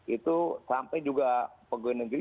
itu sampai juga pegawai negeri